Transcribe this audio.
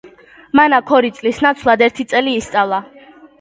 მან აქ ორი წლის ნაცვლად ერთი წელი ისწავლა.